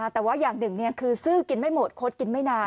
แต่ว่าอย่างหนึ่งคือซื้อกินไม่หมดคดกินไม่นาน